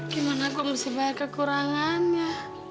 gimana kok mesti bayar kekurangannya